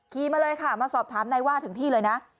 มาเลยค่ะมาสอบถามนายว่าถึงที่เลยนะ